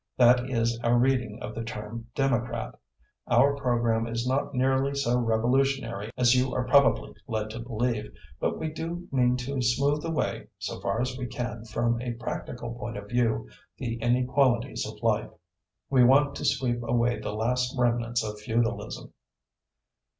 That is our reading of the term 'Democrat.' Our programme is not nearly so revolutionary as you are probably led to believe, but we do mean to smooth away, so far as we can from a practical point of view, the inequalities of life. We want to sweep away the last remnants of feudalism."